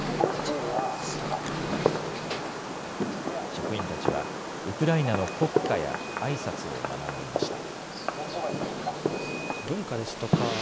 職員たちは、ウクライナの国歌やあいさつを学んでいました。